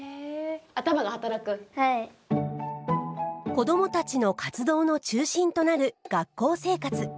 子どもたちの活動の中心となる学校生活。